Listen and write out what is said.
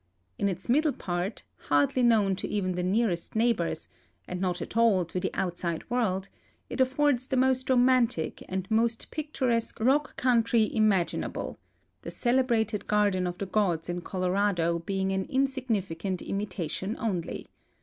In its middle part, hardly known to even the nearest neighbors and not at all to the outside world, it affords the most romantic and most picturesque rock country THE FORESTS ASD DESERTS 01' ARIZONA 215 imaginable, the celebrated Garden of the Gods in Colorado lieing an insignificant imitation only.